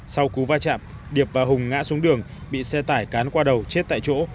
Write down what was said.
sau cú va chạm điệp và hùng ngã xuống đường bị xe tải cán qua đầu chết tại chỗ